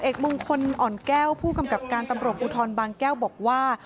มงคลอ่อนแก้วผู้กำกับการตำรวจภูทรบางแก้วบอกว่า